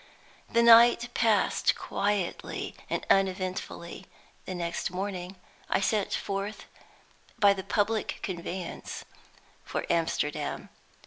The night passed quietly and uneventfully. The next morning I set forth by the public conveyance for Amsterdam.